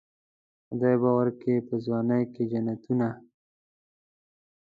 خدای به ورکي په ځوانۍ کې جنتونه.